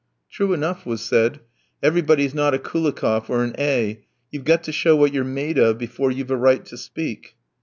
"True enough," was said. "Everybody's not a Koulikoff or an A v, you've got to show what you're made of before you've a right to speak."